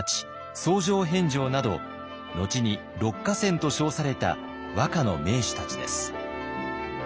僧正遍昭など後に六歌仙と称された和歌の名手たちです。